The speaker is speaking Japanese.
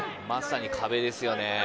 まさに壁ですよね。